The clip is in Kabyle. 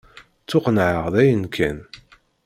Ttuqennεeɣ dayen kan.